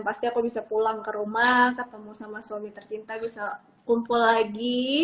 pasti aku bisa pulang ke rumah ketemu sama suami tercinta bisa kumpul lagi